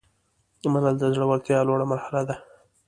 منل د زړورتیا لوړه مرحله ده.